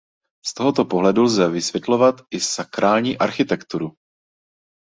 Z tohoto pohledu lze vysvětlovat i sakrální architekturu.